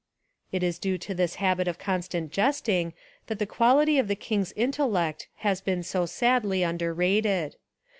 It is due to this habit of constant jesting that the quality of the king's intellect has been so sadly underrated.